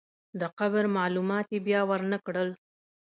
د قبر معلومات یې بیا ورنکړل.